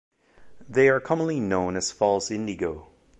They are commonly known as false indigo.